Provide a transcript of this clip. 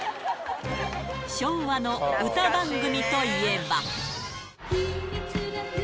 昭和の歌番組といえば。